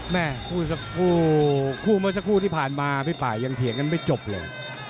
แม่คู่เมื่อสักครู่ที่ผ่านมาพี่ป่ายังเถียงกันไม่จบเลย